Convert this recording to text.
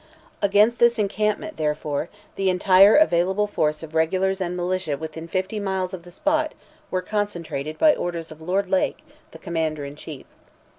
Against this encampment, therefore, the entire available force of regulars and militia within fifty miles of the spot were concentrated by orders of Lord Lake, the Commander in Chief.